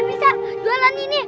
bisa jualan ini